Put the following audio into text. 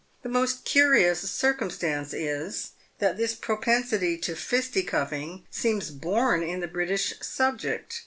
The most curious circumstance is, that this propensity to fisty cuffing seems born in the British subject.